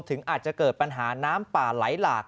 อาจจะเกิดปัญหาน้ำป่าไหลหลาก